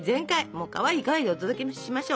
もうかわいいかわいいでお届けしましょう。